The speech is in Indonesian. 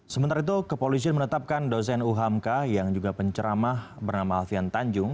sementara itu kepolisian menetapkan dosen uhamka yang juga penceramah bernama alfian tanjung